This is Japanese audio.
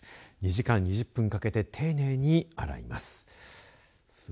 ２時間２０分かけて丁寧に洗います。